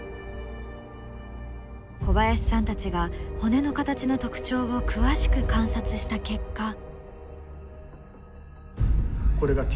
小林さんたちが骨の形の特徴を詳しく観察した結果。